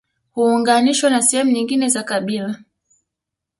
Huunganishwa na sehemu nyingine za kabila